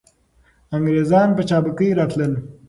انګریزان په چابکۍ راتلل.